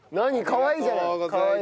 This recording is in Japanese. かわいいじゃない。